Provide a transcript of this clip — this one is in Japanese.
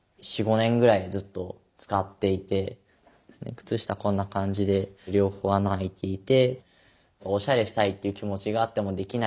靴下こんな感じで両方穴あいていて。